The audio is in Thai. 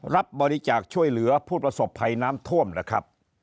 รับบริจาคช่วยเหลือผู้ประสบภัยน้ำท่วมนะครับ